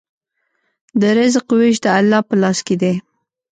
د رزق وېش د الله په لاس کې دی.